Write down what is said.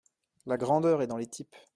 La grandeur est dans les types.